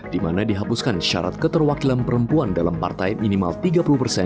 di mana dihapuskan syarat keterwakilan perempuan dalam partai minimal tiga puluh persen